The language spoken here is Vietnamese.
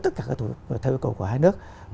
tất cả các thủ tục theo yêu cầu của hai nước